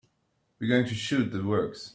We're going to shoot the works.